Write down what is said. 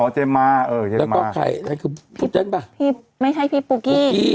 อ๋อเจมมาเออเจมมาแล้วก็ใครนั่นคือพุธใช่ไหมพี่ไม่ใช่พี่ปูกี้ปูกี้